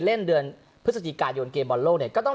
เดือนพฤศจิกายนเกมบอลโลกเนี่ยก็ต้อง